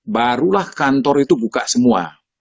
barulah kantor itu buka semua